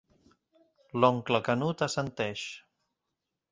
L'oncle Canut assenteix.